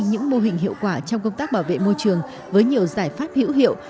những mô hình hiệu quả trong công tác bảo vệ môi trường với nhiều giải pháp hữu hiệu